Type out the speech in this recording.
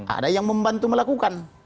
ada yang membantu melakukan